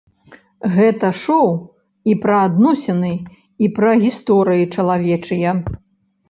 Гэта шоу і пра адносіны, і пра гісторыі чалавечыя.